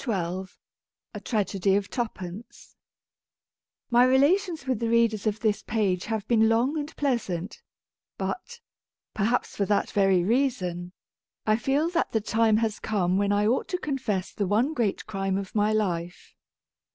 [Ill] A TRAGEDY OF TWOPENCE MY relations with the readers of this page have been long and pleasant, but — perhaps for that very reason — I feel that the time has come when I ought to confess the one great crime of my life.